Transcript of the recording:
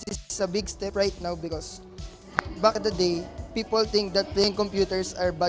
apa yang paling menarik untuk game game anda dan kenapa